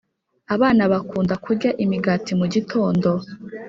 Abana bakunda kurya imigati mugitondo